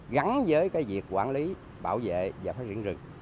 gắn với cái việc quản lý bảo vệ và phát triển rừng